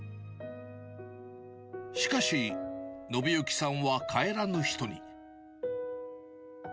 しかし、信之さんは帰らぬ人に。